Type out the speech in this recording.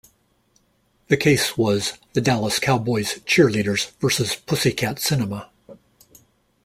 The case was "The Dallas Cowboys Cheerleaders versus Pussycat Cinema".